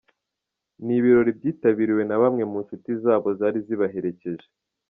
Ni ibirori byitabiriwe na bamwe mu nshuti zabo zari zabaherekeje.